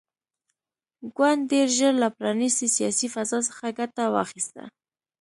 ګوند ډېر ژر له پرانیستې سیاسي فضا څخه ګټه واخیسته.